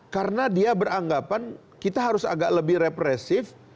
karena dia beranggapan kita harus agak lebih represif